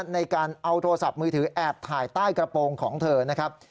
ในการเอาโทรศัพท์มือถือแอบถ่ายใต้กระโปรงของเธอนะครับ